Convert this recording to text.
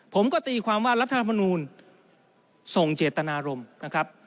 ผมก็ตีความว่ารัฐธรรมนูลส่งเจตนารมณ์นะครับ